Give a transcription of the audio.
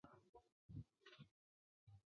巨型羽翅鲎则发现于维吉尼亚州。